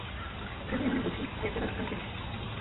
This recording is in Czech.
Krize je mnohem hlubší a je třeba ji okamžitě řešit.